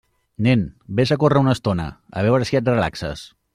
Nen, vés a córrer una estona, a veure si et relaxes.